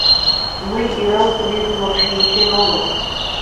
Мый иралтметым шинчен омыл.